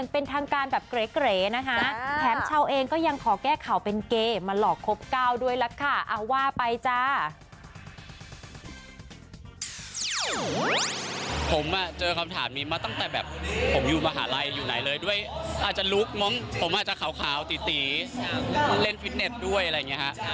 ผมเจอคำถามนี้มาตั้งแต่แบบผมอยู่มหาลัยอยู่ไหนเลยด้วยอาจจะลุกมองผมอาจจะขาวตีเล่นฟิตเน็ตด้วยอะไรอย่างเงี้ยครับ